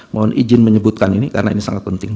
mohon izin menyebutkan ini karena ini sangat penting